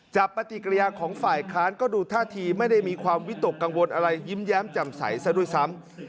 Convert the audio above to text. ปฏิกิริยาของฝ่ายค้านก็ดูท่าทีไม่ได้มีความวิตกกังวลอะไรยิ้มแย้มจำใสซะด้วยซ้ำ